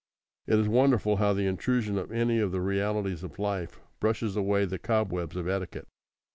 It is wonderful how the intrusion of any of the realities of life brushes away the cobwebs of etiquette.